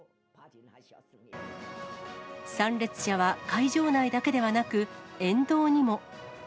参列者は会場内だけではなく、沿道にも。